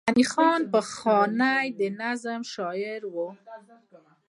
غني خان پخپله د نظم شاعر وو